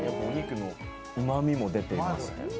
お肉のうまみも出ていますね。